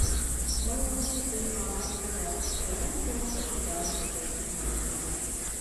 Мый ончыл кувамат тыгак, кырен-кырен, шӱгарыш шуктышым.